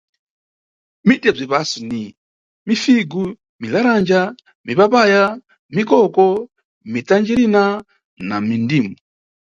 Miti ya bzisapo ni: mifigu, milalanja, mipapaya, mikoko, mitanjirina na mindimu.